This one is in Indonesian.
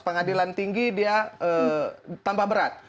pengadilan tinggi dia tambah berat